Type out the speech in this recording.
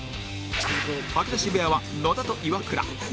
吐き出し部屋は野田とイワクラ